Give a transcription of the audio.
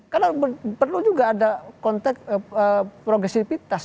karena perlu juga ada konteks progresifitas